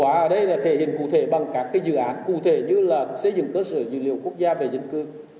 và đây là thể hình cụ thể bằng các dự án cụ thể như là xây dựng cơ sở dự liệu quốc gia về dân cư